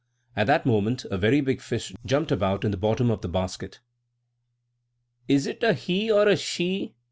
At that moment a very big fish jumped about in the bottom of the basket. "Is it a he or a she?"